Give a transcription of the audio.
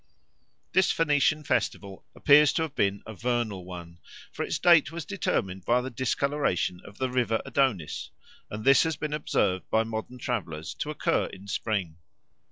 This Phoenician festival appears to have been a vernal one, for its date was determined by the discoloration of the river Adonis, and this has been observed by modern travellers to occur in spring.